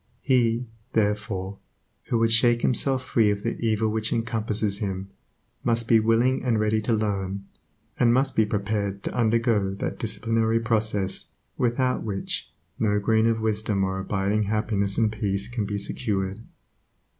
He, therefore, who would shake himself free of the evil which encompasses him, must be willing and ready to learn, and must be prepared to undergo that disciplinary process without which no grain of wisdom or abiding happiness and peace can be secured.